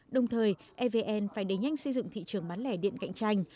đồng thời evn phải đẩy nhanh xây dựng thị trường bán lẻ điện cạnh tranh